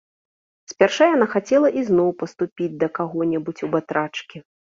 Спярша яна хацела ізноў паступіць да каго-небудзь у батрачкі.